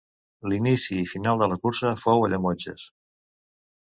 L'inici i final de la cursa fou a Llemotges.